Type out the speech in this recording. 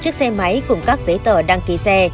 chiếc xe máy cùng các giấy tờ đăng ký xe